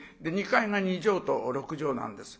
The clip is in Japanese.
２階が２畳と６畳なんです。